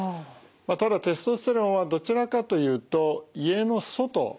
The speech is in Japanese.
ただテストステロンはどちらかというと家の外ですね。